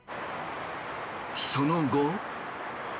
その後。